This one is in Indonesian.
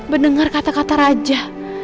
mendengar kata kata raja